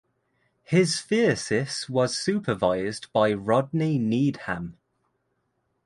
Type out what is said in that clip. His thesis was supervised by Rodney Needham.